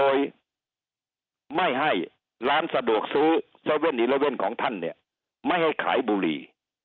โดยไม่ให้ร้านสะดวกซื้อ๗๑๑ของท่านเนี่ยไม่ให้ขายบุหรี่